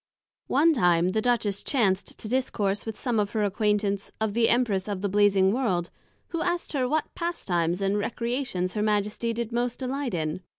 One time the Duchess chanced to discourse with some of her acquaintance, of the Empress of the Blazing world, who asked her what Pastimes and Recreations her Majesty did most delight in?